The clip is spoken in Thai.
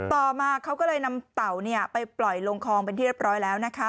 ต่อมาเขาก็เลยนำเต่าไปปล่อยลงคลองเป็นที่เรียบร้อยแล้วนะคะ